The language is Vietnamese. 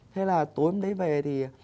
thế là tối hôm đấy về thì